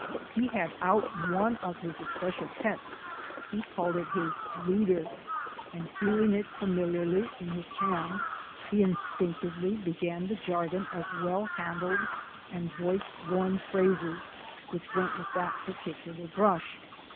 He had out one of his especial pets he called it his "leader" and feeling it familiarly in his hand he instinctively began the jargon of well handled and voice worn phrases which went with that particular brush.